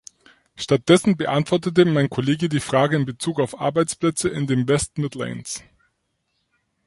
Stattdessen beantwortete mein Kollege die Frage in Bezug auf Arbeitsplätze in den West Midlands.